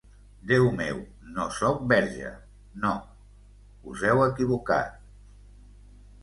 Déu meu, no sóc verge, no... us heu equivocat...